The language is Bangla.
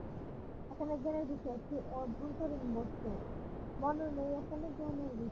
এখানে জ্ঞানের বিষয় একটি অভ্যন্তরীণ বস্তু, মনই এখানে জ্ঞানের বিষয়।